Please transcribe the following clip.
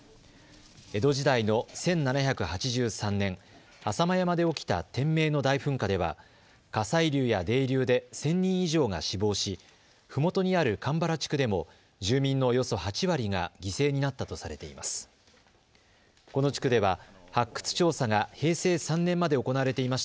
江戸時代の１７８３年、浅間山で起きた天明の大噴火では火砕流や泥流で１０００人以上が死亡しふもとにある鎌原地区でも住民のおよそ８割が犠牲になったとされています。